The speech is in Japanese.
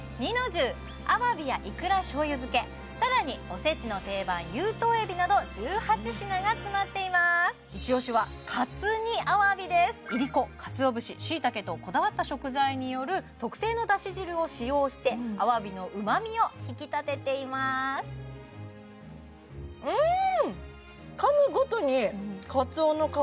重アワビやいくら醤油漬けさらにおせちの定番有頭海老など１８品が詰まっていますイチオシはこだわった食材による特製のだし汁を使用してアワビのうまみを引き立てていますうーん！